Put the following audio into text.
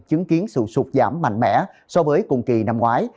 chứng kiến sự sụt giảm mạnh mẽ so với cùng kỳ năm ngoái